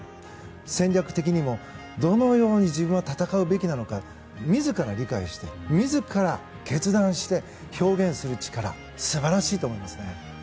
戦略的にもどのように自分は戦うべきなのか自ら理解して、自ら決断して表現する力、素晴らしいと思います。